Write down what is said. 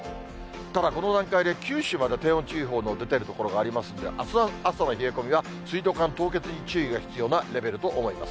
ただ、この段階で九州まで低温注意報の出ている所がありますんで、あすの朝の冷え込みは、水道管凍結に注意が必要なレベルと思います。